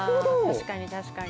確かに確かに。